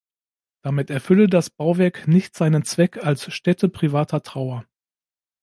Damit erfülle das Bauwerk nicht seinen Zweck als Stätte privater Trauer.